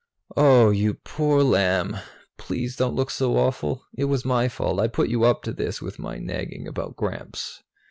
"Oh, you poor lamb please don't look so awful! It was my fault. I put you up to this with my nagging about Gramps."